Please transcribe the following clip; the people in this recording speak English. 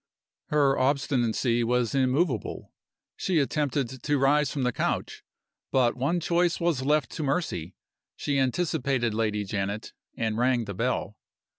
Her obstinacy was immovable; she attempted to rise from the couch. But one choice was left to Mercy. She anticipated Lady Janet, and rang the bell.